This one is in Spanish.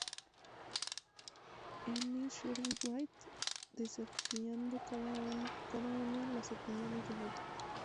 N. Sherwin-White, desafiando cada uno las opiniones del otro.